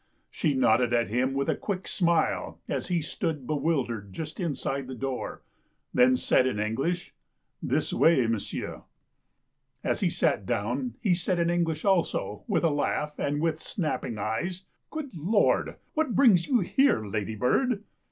She nodded at him with a quick smile as he stood bewildered just inside the door, then said in English :" This way, m'sieu'." As he sat down he said in English also, w ith a laugh and with snapping eyes :" Good Lord, what brings you here, ladybird